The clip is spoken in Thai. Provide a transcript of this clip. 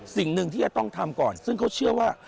สิ่งหนึ่งที่จะต้องทำก่อนซึ่งเขาเชื่อว่า